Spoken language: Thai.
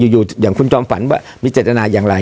อยู่อย่างคุณจอมฝันว่ามีเจตนาอย่างไร